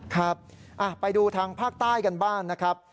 ครับไปดูทางภาคใต้กันบ้างนะครับ